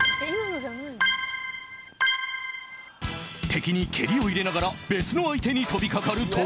［敵に蹴りを入れながら別の相手にとびかかると］